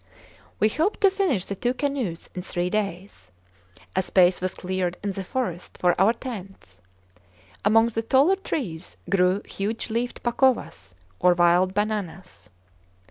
We hoped to finish the two canoes in three days. A space was cleared in the forest for our tents. Among the taller trees grew huge leafed pacovas, or wild bananas.